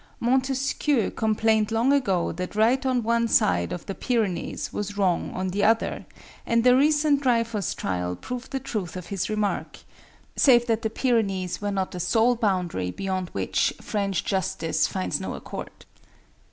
Montesquieu complained long ago that right on one side of the Pyrenees was wrong on the other, and the recent Dreyfus trial proved the truth of his remark, save that the Pyrenees were not the sole boundary beyond which French justice finds no accord.